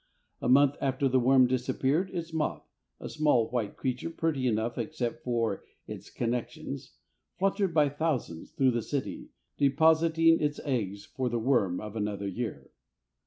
A month after the worm disappeared, its moth a small white creature, pretty enough except for its connections fluttered by thousands through the city, depositing its eggs for the worm of another year.